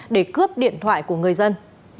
để cướp điện thoại của người dân